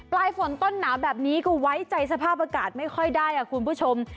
ปลายฝนต้นหนาวแบบนี้ก็ไว้ใจสภาพอากาศไม่ค่อยได้คุณผู้ชม